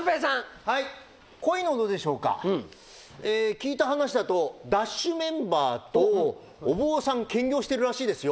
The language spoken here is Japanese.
聞いた話だとＤＡＳＨメンバーとお坊さん兼業してるらしいですよ。